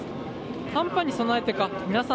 寒波に備えてか皆さん